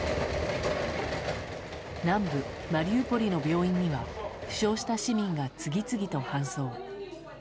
南部マリウポリの病院には負傷した市民が次々と搬送。